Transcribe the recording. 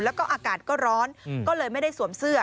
แล้วก็อากาศก็ร้อนก็เลยไม่ได้สวมเสื้อ